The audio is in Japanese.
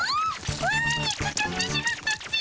ワナにかかってしまったっピ！